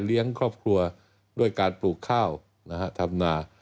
เลี้ยงครอบครัวด้วยการปลูกข้าวทำนา